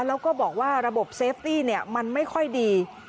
แล้วก็บอกว่าระบบเซฟตี้มันไม่ค่อยดี